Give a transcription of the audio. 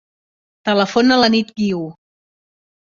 Telefona a la Nit Guiu.